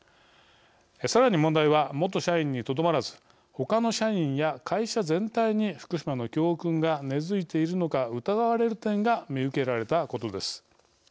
さらに問題は元社員にとどまらずほかの社員や会社全体に福島の教訓が根づいているのか疑われる点が見受けられたことです。